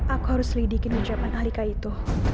aku harus lidikin ucapan alika itu